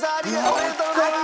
おめでとうございます！